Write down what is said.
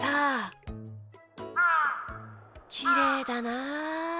きれいだな。